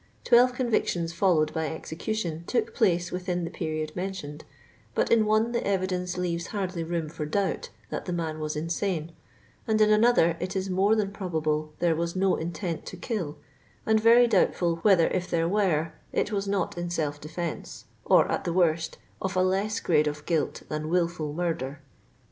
Twelve convictions fol lowed by execution took place within the period raentioned, but in one the evidence leaves hardly room for doubt that the man was in sane, and in another it is more than probable there was no intent to kill, and very doubtful whether if there were it was not in self defense, or at the worst, of a less grade of guilt than wilful murder.